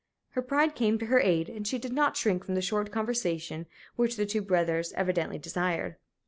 Her pride came to her aid, and she did not shrink from the short conversation which the two brothers evidently desired.